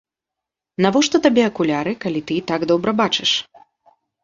Навошта табе акуляры калі ты і так добра бачыш?